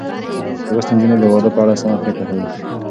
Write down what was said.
لوستې نجونې د واده په اړه سمه پرېکړه کوي.